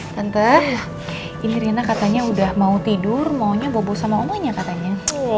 tante ibu rina katanya udah mau tidur maunya bobo sama omonya katanya